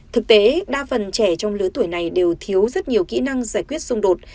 thực tế đa phần trẻ trong lứa tuổi này đều thiếu rất nhiều kỹ năng giải quyết xung đột